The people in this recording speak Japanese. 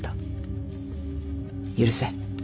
許せ。